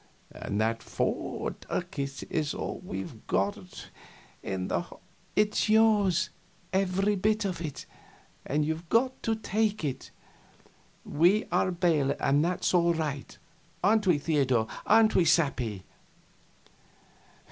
And that four ducats is all we've got in the " "It's yours, every bit of it, and you've got to take it we are bail that it's all right. Aren't we, Theodor? Aren't we, Seppi?"